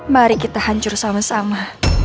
mari kita hancur sama sama